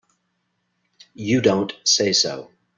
You don't say so!